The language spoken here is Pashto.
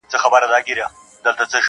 پلار یې وکړه ورته ډېر نصیحتونه,